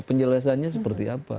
penjelasannya seperti apa